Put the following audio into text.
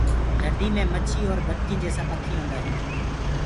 ڍنڊي مي مڇيونٚ اور بدڪينٚ جيسآ پکي هوندآ هينٚ۔